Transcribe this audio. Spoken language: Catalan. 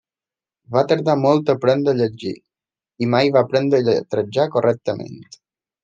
Va tardar molt a aprendre a llegir, i mai va aprendre a lletrejar correctament.